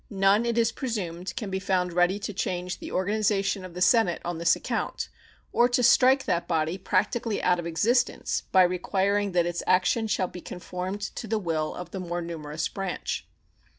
None, it is presumed, can be found ready to change the organization of the Senate on this account, or to strike that body practically out of existence by requiring that its action shall be conformed to the will of the more numerous branch.